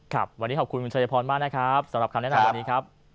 ครับวันนี้ขอบคุณคุณชายพรมากนะครับสำหรับคำแนะนำวันนี้ครับ